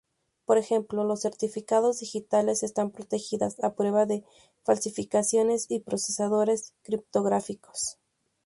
Por ejemplo, los certificados digitales están protegidas a prueba de falsificaciones y procesadores criptográficos.